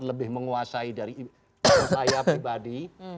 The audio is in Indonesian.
lebih menguasai dari saya pribadi